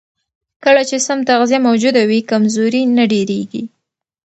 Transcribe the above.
کله چې سم تغذیه موجوده وي، کمزوري نه ډېرېږي.